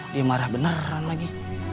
dia marah beneran lagi